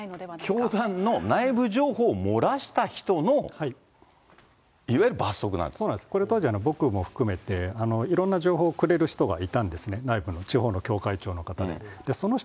教団の内部情報を漏らした人の、そうなんです、これ、当時、僕も含めて、いろんな情報をくれる人がいたんですね、内部の、地方の教会長の方で。